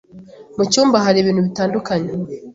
Mu cyumba hari ibintu bitandukanye.